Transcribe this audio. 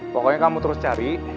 pokoknya kamu terus cari